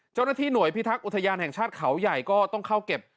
เจ้าหน้าที่หน่วยพิทักษ์อุทยานแห่งชาติเขาใหญ่ก็ต้องเข้าเก็บ